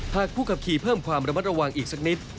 ผู้ขับขี่เพิ่มความระมัดระวังอีกสักนิด